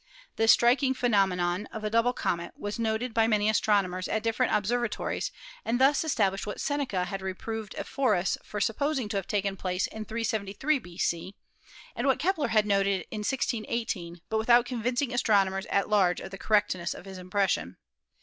This striking phenomenon of a double comet was noted by many astronomers at different observatories, and thus established what Seneca had reproved Ephorus for sup posing to have taken place in 373 B.C. and what Kepler had noted in 161 8, but without convincing astronomers at large of the correctness of his impression.